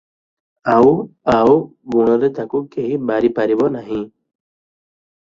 ଆଉ ଆଉ ଗୁଣରେ ତାକୁ କେହି ବାରି ପାରିବ ନାହିଁ ।